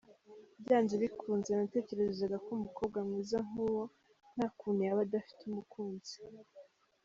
Byanze bikunze natekerezaga ko umukobwa mwiza nk’ uwo nta kuntu yaba adafite umukunzi.